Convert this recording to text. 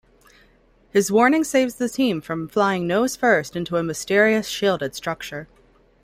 His warning saves the team from flying nose-first into a mysterious, shielded structure.